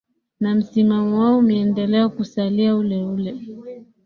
na msimamo wao umeendelea kusalia ule ule